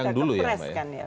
sebetulnya ada kepres kan ya